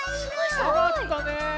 あがったね。